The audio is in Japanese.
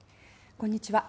こんにちは。